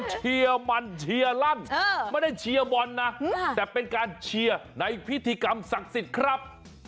เชียร์มันเชียร์ลั่นไม่ได้เชียร์บอลนะแต่เป็นการเชียร์ในพิธีกรรมศักดิ์สิทธิ์ครับ